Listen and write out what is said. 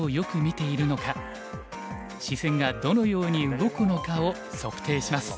「視線がどのように動くのか？」を測定します。